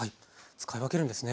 使い分けるんですね